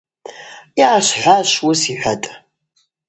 Йгӏашвхӏва швуыс, – йхӏватӏ.